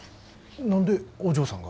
何でお嬢さんが？